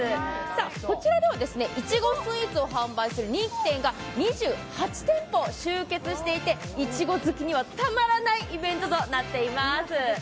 こちらでは、いちごスイーツを販売する人気店が２８店舗集結していていちご好きにはたまらないイベントとなっております。